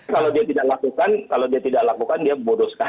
kalau dia tidak lakukan kalau dia tidak lakukan dia bodoh sekali